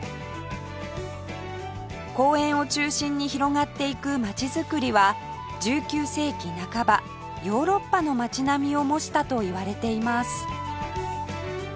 公園を中心に広がっていく町づくりは１９世紀半ばヨーロッパの町並みを模したといわれています